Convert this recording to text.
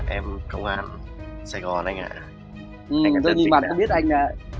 em công an sài gòn anh ạ